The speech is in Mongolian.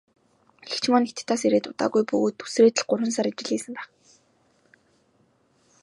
Эгч маань Хятадаас ирээд удаагүй бөгөөд үсрээд л гурван сар ажил хийсэн байх.